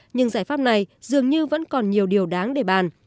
nhưng giải pháp này dường như vẫn còn nhiều điều đáng để bàn